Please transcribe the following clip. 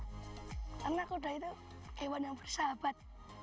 karena kuda itu hewan yang bersahabat